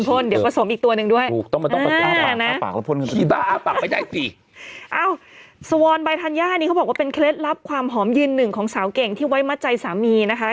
พ่นเดี๋ยวผสมอีกตัวหนึ่งด้วยต้องเอาปากอ้าวนี้เขาบอกว่าเป็นเคล็ดรับความหอมยืนหนึ่งของสาวเก่งที่ไว้มาใจสามีนะคะ